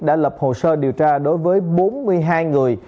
đã lập hồ sơ điều tra đối với bốn mươi hai người